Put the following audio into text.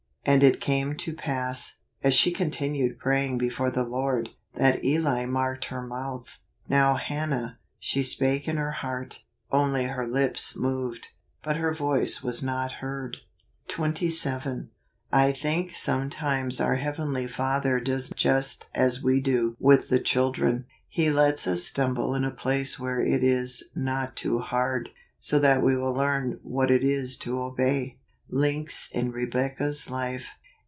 " And it came to pass, as she continued praying before the Lord, that Eli marked her mouth. Now Hannah, she spake in her heart; only her lips moved, but her voice teas not heard." august. 95 27. I think sometimes our Heavenly Father does just as we do with the children. He lets us stumble in a place where it is not too hard, so that we will learn what it is to obey. Links in Rebecca's Life.